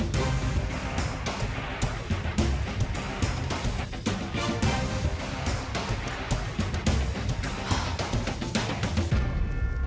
kamu tuh kerjanya muter muter